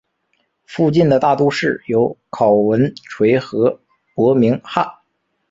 附近的大都市有考文垂和伯明翰。